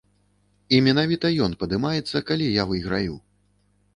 І менавіта ён падымаецца, калі я выйграю.